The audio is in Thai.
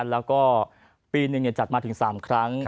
แล้วก็ปีหนึ่งจัดมาถึง๓ครั้ง